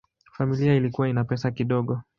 Familia ilikuwa ina pesa kidogo.